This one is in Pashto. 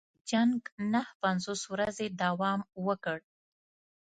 جنګ نهه پنځوس ورځې دوام وکړ.